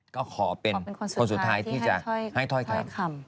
ก็ขอเป็นคนสุดท้ายที่จะให้ถ้อยคำ